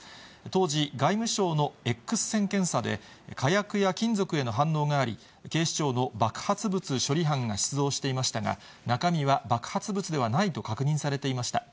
当時、外務省のエックス線検査で、火薬や金属への反応があり、警視庁の爆発物処理班が出動していましたが、中身は爆発物ではないと確認されていました。